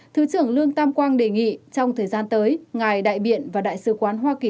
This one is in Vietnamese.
thứ trưởng lương tam quang đề nghị trong thời gian tới ngài đại biện và đại sứ quán hoa kỳ